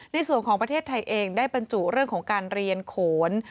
ในส่วนของประเทศไทยเองได้บรรจุเรื่องของการเรียนโขน